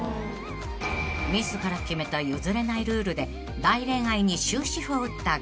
［自ら決めた譲れないルールで大恋愛に終止符を打ったＧＡＣＫＴさま］